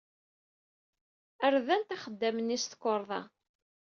Rdant axeddam-nni s tukerḍa.